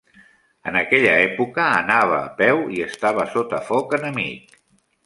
En aquella època anava a peu i estava sota foc enemic.